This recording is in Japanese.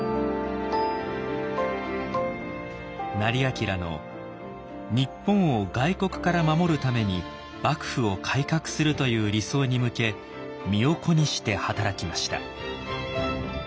斉彬の「日本を外国から守るために幕府を改革する」という理想に向け身を粉にして働きました。